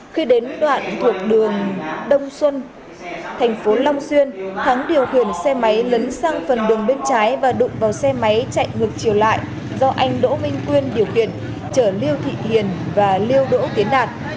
khi đến đoạn thuộc đường đông xuân thành phố long xuyên thắng điều khiển xe máy lấn sang phần đường bên trái và đụng vào xe máy chạy ngược chiều lại do anh đỗ minh tuyên điều khiển chở liêu thị thiền và liêu đỗ tiến đạt